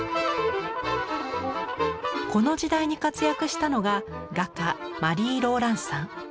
この時代に活躍したのが画家マリー・ローランサン。